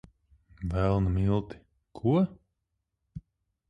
Velna milti! Ko?